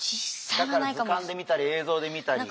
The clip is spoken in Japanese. だから図鑑で見たり映像で見たり。